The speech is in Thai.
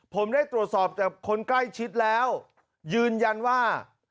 ผมได้ตรวจสอบจากคนใกล้ชิดแล้วยืนยันว่า